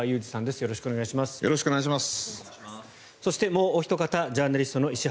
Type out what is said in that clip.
よろしくお願いします。